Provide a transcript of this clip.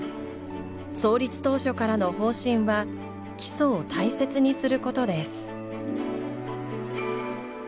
創立当初からの方針は「基礎を大切にすること」です。